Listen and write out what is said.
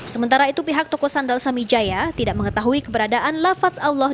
sementara itu pihak toko sandal sami jaya tidak mengetahui keberadaan lafats allah